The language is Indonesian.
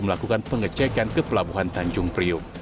melakukan pengecekan ke pelabuhan tanjung priuk